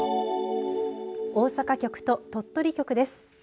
大阪局と鳥取局です。